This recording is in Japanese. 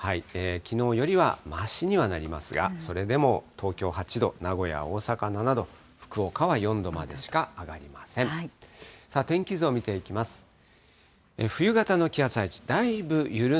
きのうよりはましにはなりますが、それでも東京８度、名古屋、大阪７度、福岡は４度までしか上がりません。